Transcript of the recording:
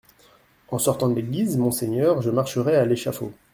En sortant de l'église, monseigneur, je marcherai à l'échafaud.